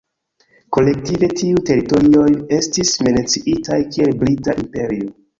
Kolektive, tiuj teritorioj estis menciitaj kiel Brita imperio.